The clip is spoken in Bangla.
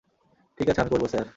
ঠিক আছে আমি করব, স্যার!